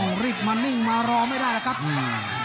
ต้องรีบมานิ่งลองไม่ได้แล้วกับน้ำเงิน